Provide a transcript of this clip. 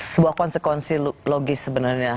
sebuah konsekuensi logis sebenarnya